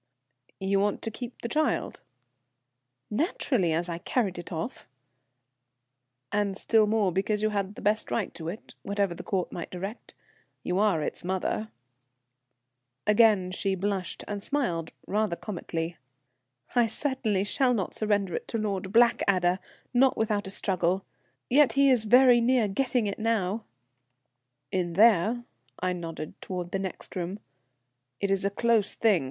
"You want to keep the child?" "Naturally, as I carried it off." "And still more because you had the best right to it, whatever the Court might direct. You are its mother." Again she blushed and smiled, rather comically. "I certainly shall not surrender it to Lord Blackadder, not without a struggle. Yet he is very near getting it now." "In there?" I nodded towards the next room. "It is a close thing.